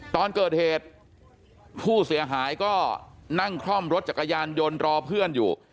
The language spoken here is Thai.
ตอนเกิดเหตุผู้เสียหายก็นั่งคล่อมรถจักรยานยนต์รอเพื่อนอยู่